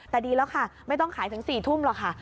แต่ดีแล้วค่ะไม่ต้องขายถึง๔ทุ่มหรอกค่ะ